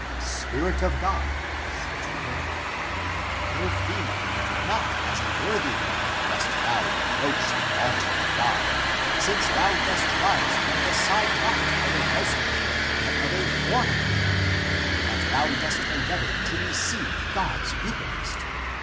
ACTS OF PETER 59 Spirit of God, said to her :" Rufiiia, not as a wor thy one dost thou approach the altar of God, since thou dost rise from the side not of a husband, but of a fornicator and thou dost endeavor to receive God's eucharist.